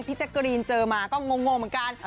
แจ๊กกะรีนเจอมาก็งงเหมือนกัน